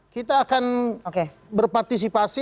kita akan berpartisipasi